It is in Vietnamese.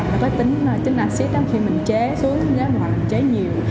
nó có tính acid khi mình chế xuống chế nhiều